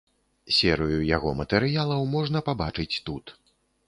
Серыю яго матэрыялаў можна пабачыць тут.